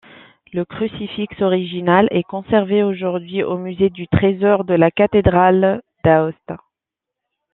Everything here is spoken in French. Le crucifix original est conservé aujourd’hui au Musée du trésor de la cathédrale d'Aoste.